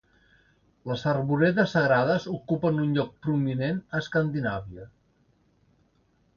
Les arboredes sagrades ocupen un lloc prominent a Escandinàvia.